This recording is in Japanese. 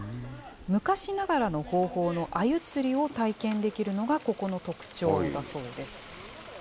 昔ながらの方法のアユ釣りを体験できるのがここの特徴だそうです。